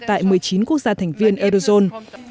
tại một mươi chín quốc gia thành viên eurozone